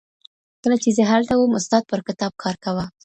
کله چي زه هلته وم استاد پر کتاب کار کاوه.